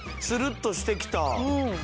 ツルッとしてきた。